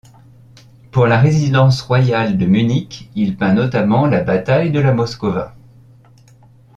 Pour la résidence royale de Munich, il peint notamment la bataille de la Moskowa.